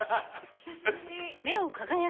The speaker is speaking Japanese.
久しぶり。